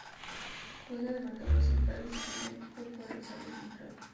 Juega de marcador central y su primer equipo fue Rosario Central.